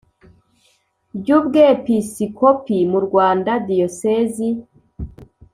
Ry ubwepisikopi mu rwanda diyosezi